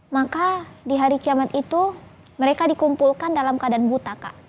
maka di hari kiamat itu mereka dikumpulkan dalam keadaan buta kak